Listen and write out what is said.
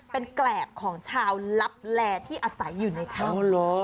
เป็นแกรบของชาวลับแลที่อาศัยอยู่ในถ้ำ